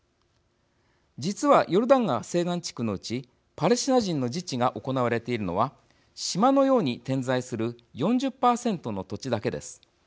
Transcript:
実はヨルダン川西岸地区のうちパレスチナ人の自治が行われているのは島のように点在する４０％の土地だけです。